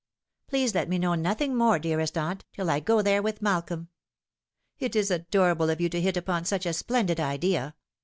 Please let me know nothing more, dearest aunt, till I go there with Malcolm. It is adorable of you to hit upon such a splendid idea.